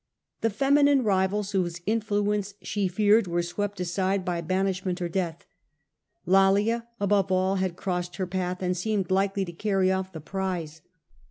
The feminine swept aside ^ivals whosc influence she feared were swept her rivals, aside by banishment or death. Lollia above all had crossed her path, and seemed likely to carry off especially the prize.